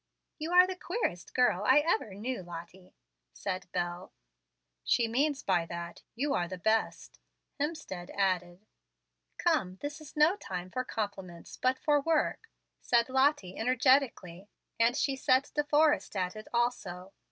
"You are the queerest girl I ever knew, Lottie," said Bel. "She means by that, you are the best," Hemstead added. "Come, this is no time for compliments, but for work," said Lottie, energetically, and she set De Forrest at it also.